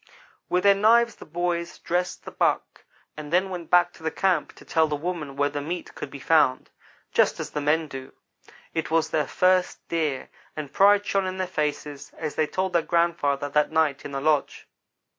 With their knives the boys dressed the buck, and then went back to the camp to tell the women where the meat could be found just as the men do. It was their first deer; and pride shone in their faces as they told their grandfather that night in the lodge.